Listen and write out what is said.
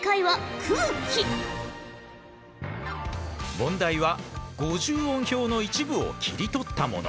問題は５０音表の一部を切り取ったもの。